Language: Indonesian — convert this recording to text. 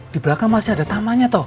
di belakang masih ada tamannya toh